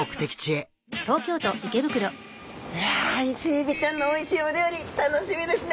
いやイセエビちゃんのおいしいお料理楽しみですね！